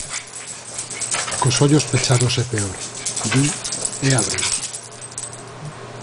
Cos ollos pechados é peor –di, e ábreos–.